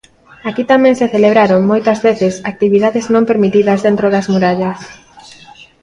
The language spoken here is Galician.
Aquí tamén se celebraron, moitas veces, actividades non permitidas dentro das murallas.